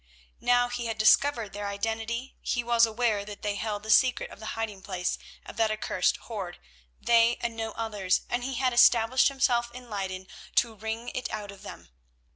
Now he had discovered their identity; he was aware that they held the secret of the hiding place of that accursed hoard, they and no others, and he had established himself in Leyden to wring it out of them.